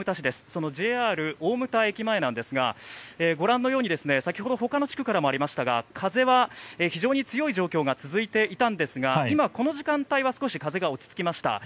そのＪＲ大牟田駅前なんですがご覧のように、先ほどほかの地区からもありましたが風は非常に強い状況が続いていたんですが今はこの時間帯は少し落ち着きました。